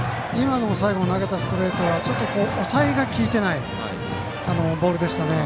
投げたストレートは抑えがきいてないボールでしたね。